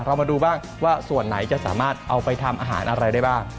เรามาดูบ้างว่าส่วนไหนจะสามารถเอาไปทำอาหารอะไรได้บ้าง